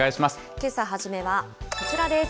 けさ初めはこちらです。